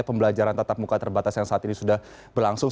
pembelajaran tatap muka terbatas yang saat ini sudah berlangsung